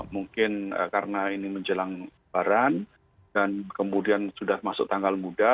mungkin karena ini menjelang baran dan kemudian sudah masuk tanggal muda